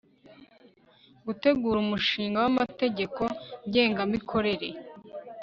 gutegura umushinga w amategeko ngengamikorere